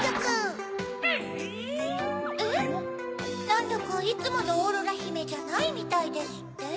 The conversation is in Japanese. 「なんだかいつものオーロラひめじゃないみたい」ですって？